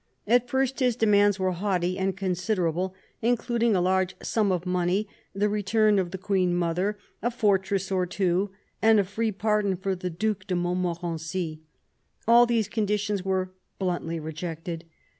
At first his demands were haughty and considerable, including a large sum of money, the return of the Queen mother, a fortress or two, and a free pardon for the Due de Montmorency. All these conditions were bluntly rejected.